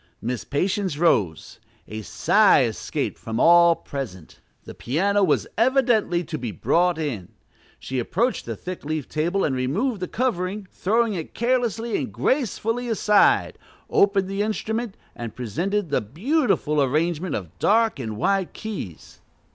Miss Patience rose. A sigh escaped from all present: the piano was evidently to be brought in. She approached the thick leafed table and removed the covering, throwing it carelessly and gracefully aside, opened the instrument, and presented the beautiful arrangement of dark and white keys.